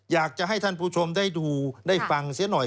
อยากจะให้ท่านผู้ชมได้ดูได้ฟังเสียหน่อย